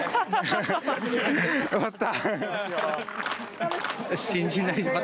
よかった。